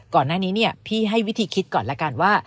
ก่อนหน้านี้พี่ให้วิธีคิดก่อนแล้วกันว่า